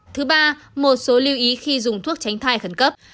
thứ ba một số lưu ý khi dùng thuốc tránh thai khẩn cấp